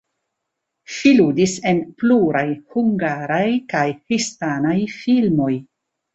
Ŝi ludis en pluraj hungaraj kaj hispanaj filmoj.